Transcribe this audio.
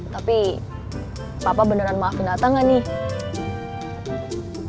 tapi papa beneran maafin atta nggak nih